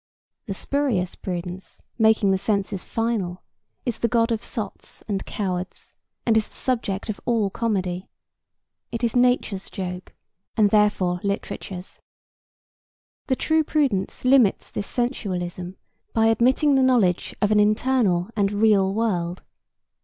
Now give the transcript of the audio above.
The spurious prudence, making the senses final, is the god of sots and cowards, and is the subject of all comedy. It is nature's joke, and therefore literature's. The true prudence limits this sensualism by admitting the knowledge of an internal and real world.